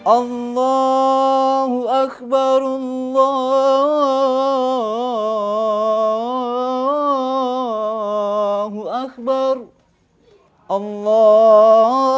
aku akan melupakanmu selamanya